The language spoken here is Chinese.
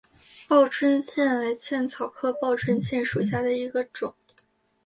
报春茜为茜草科报春茜属下的一个种。